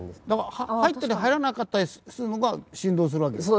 だから入ったり入らなかったりするのが振動するわけ？